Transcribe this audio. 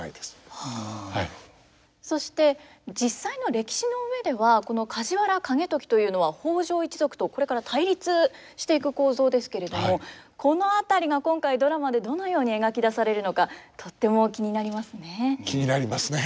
そして実際の歴史の上ではこの梶原景時というのは北条一族とこれから対立していく構造ですけれどもこの辺りが今回ドラマでどのように描き出されるのかとっても気になりますね。